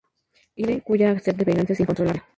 Hyde, cuya sed de venganza es incontrolable.